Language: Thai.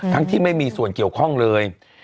ที่ไม่มีส่วนเกี่ยวข้องเลย